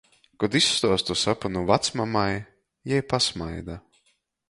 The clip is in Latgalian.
Kod izstuostu sapynu vacmamai, jei pasmaida.